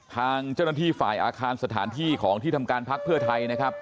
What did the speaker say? ทางเจ้าหน้าที่ฝ่ายอาคารสถานที่ของที่ทำการพักเพื่อไทยนะครับ